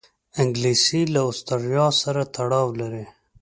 انګلیسي له آسټرالیا سره تړاو لري